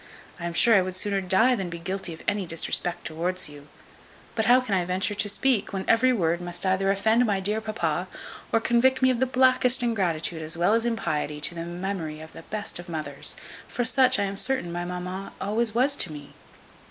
I am sure I would sooner die than be guilty of any disrespect towards you; but how can I venture to speak, when every word must either offend my dear papa, or convict me of the blackest ingratitude as well as impiety to the memory of the best of mothers; for such, I am certain, my mamma was always to me?"